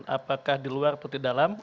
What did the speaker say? apakah diluar atau di dalam